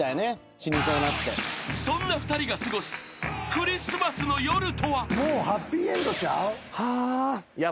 ［そんな２人が過ごすクリスマスの夜とは］